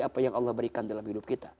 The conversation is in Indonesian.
apa yang allah berikan dalam hidup kita